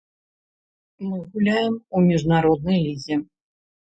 Мы гуляем у міжнароднай лізе.